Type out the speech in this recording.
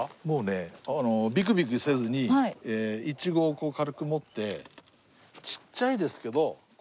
もうねビクビクせずにイチゴをこう軽く持ってちっちゃいですけど。